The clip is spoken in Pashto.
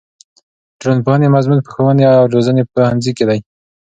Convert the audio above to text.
د ټولنپوهنې مضمون په ښوونې او روزنې پوهنځي کې دی.